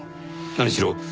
何しろ